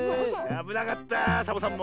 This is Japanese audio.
あぶなかったサボさんも。